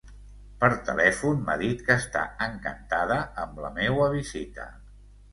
Per telèfon m'ha dit que està encantada amb la meua visita.